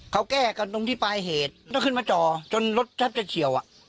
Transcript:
เขาแก้กันตรงที่ปลายเหตุแล้วขึ้นมาจ่อจนรถแทบจะเฉียวอ่ะ